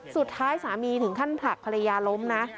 สุดท้ายสามีถึงขั้นผลักภรรยาล้มนะ